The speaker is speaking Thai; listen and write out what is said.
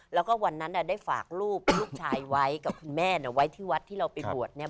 แล้วก็วันนั้นได้ฝากลูกลูกชายไว้กับคุณแม่เนี่ยไว้ที่วัดที่เราไปบวชเนี่ย